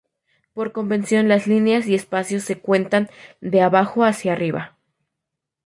Por convención las líneas y espacios se cuentan de abajo hacia arriba.